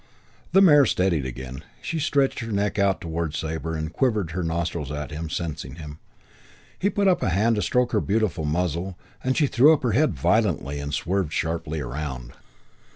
The mare steadied again. She stretched out her neck towards Sabre and quivered her nostrils at him, sensing him. He put up a hand to stroke her beautiful muzzle and she threw up her head violently and swerved sharply around.